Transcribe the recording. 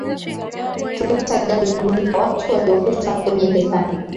tulipata idadi kamili ya watu waliyokufa kwenye titanic